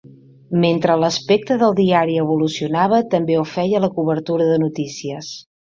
Mentre l'aspecte del diari evolucionava, també ho feia la cobertura de notícies.